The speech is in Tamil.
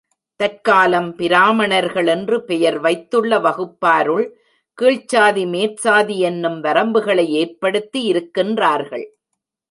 தற்காலம் பிராமணர்கள் என்று பெயர் வைத்துள்ள வகுப்பாருள் கீழ்ச்சாதி மேற்சாதி யென்னும் வரம்புகளை ஏற்படுத்தி இருக்கின்றார்கள்.